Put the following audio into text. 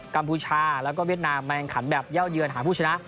กมชาแล้วก็เวียดนามแมลงขันแบบเย่าเยือนหาผู้ชนะ